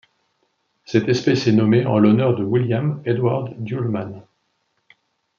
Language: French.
Cette espèce est nommée en l'honneur de William Edward Duellman.